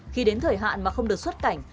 khi đến thời hạn mà không được xuất cảnh